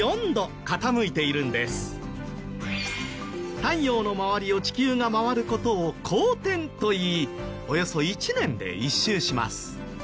太陽の周りを地球が回る事を公転といいおよそ１年で１周します。